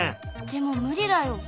でも無理だよ。